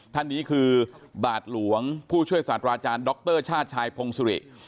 ท่านนี้คือบาทหลวงผู้ช่วยสาธาราชาญดรชาชายพงศุริ